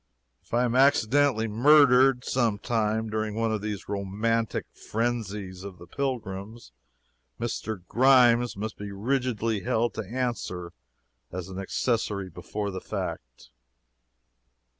If I am accidentally murdered, some time, during one of these romantic frenzies of the pilgrims, Mr. Grimes must be rigidly held to answer as an accessory before the fact.